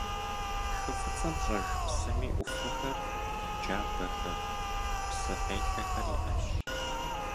Хы Фӏыцӏэм щӏэж псыми ӏуфэхэр, джабэхэр, псы къелъэхэр иӏэщ.